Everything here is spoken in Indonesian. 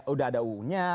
udah ada uu nya